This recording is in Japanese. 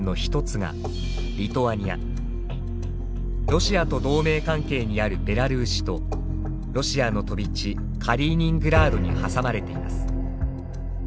ロシアと同盟関係にあるベラルーシとロシアの飛び地カリーニングラードに挟まれています。